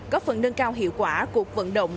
có phần nâng cao hiệu quả cuộc vận động